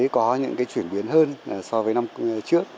có những chuyển biến hơn so với năm trước